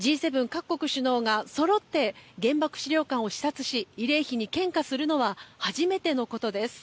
各国首脳がそろって原爆資料館を視察し慰霊碑に献花するのは初めてのことです。